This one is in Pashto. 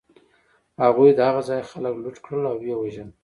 هغوی د هغه ځای خلک لوټ کړل او و یې وژل